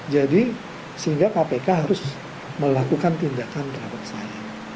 jadi sehingga kpk harus melakukan tindakan terhadap saya